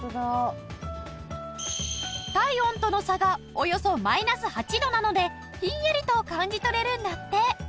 体温との差がおよそマイナス８度なのでひんやりと感じ取れるんだって。